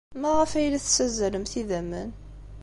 Maɣef ay la tessazzalemt idammen?